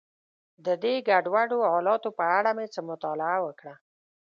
د دې ګډوډو حالاتو په اړه مې څه مطالعه وکړه.